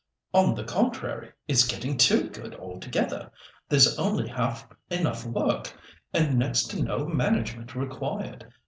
"On the contrary, it's getting too good altogether. There's only half enough work, and next to no management required.